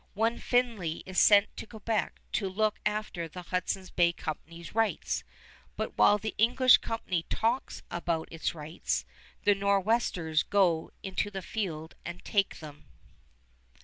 One Findley is sent to Quebec to look after the Hudson's Bay Company's rights; but while the English company talks about its rights, the Nor'westers go in the field and take them.